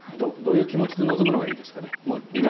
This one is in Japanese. どういう気持ちで臨むのがいいですかね。